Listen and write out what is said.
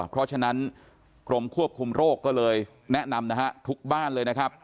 เพราะฉะนั้นกรมควบคุมโรคก็เลยแนะนำนะฮะทุกบ้านเลยนะครับ